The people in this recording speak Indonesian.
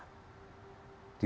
waktu sidang kemarin kan sudah